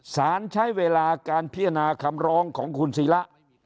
สารใช้เวลาการพิจารณาคำร้องของคุณศิระ